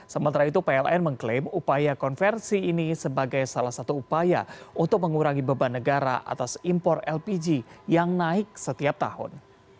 sementara itu pln mengklaim upaya konversi ini sebagai salah satu upaya untuk mengurangi beban negara atas impor lpg yang naik setiap tahun